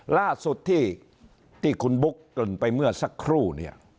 ล่าสุดที่คุณบุ๊กเกริ่นไปเมื่อสักครู่เนี่ย